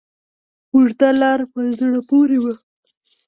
اوږده لاره په زړه پورې وه.